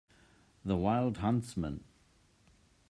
The wild huntsman.